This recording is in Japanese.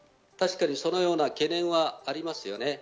そのような懸念はありますよね。